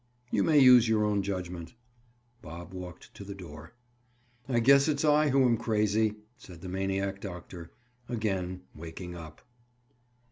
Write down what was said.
"You may use your own judgment." Bob walked to the door. "I guess it's I who am crazy," said the maniac doctor, again waking up.